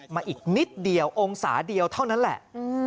มาอีกนิดเดียวองศาเดียวเท่านั้นแหละ